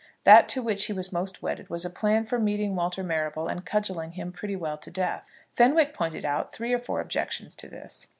That to which he was most wedded was a plan for meeting Walter Marrable and cudgelling him pretty well to death. Fenwick pointed out three or four objections to this.